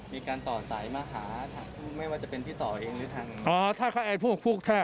มีการต่อสายมาหาไม่ว่าจะเป็นพี่ต่อเองหรือทาง